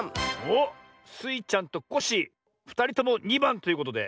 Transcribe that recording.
おっ。スイちゃんとコッシーふたりとも２ばんということで。